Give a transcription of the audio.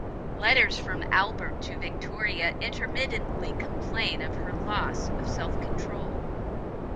Letters from Albert to Victoria intermittently complain of her loss of self-control.